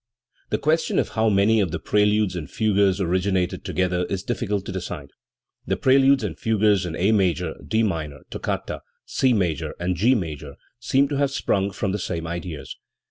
The question of how many of the preludes and fugues originated together is difficult to decide, The preludes and fugues in A major, D minor (toccata), C major and G major seem to have sprung from the same ideas.